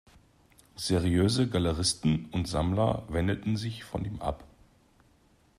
Seriöse Galeristen und Sammler wendeten sich von ihm ab.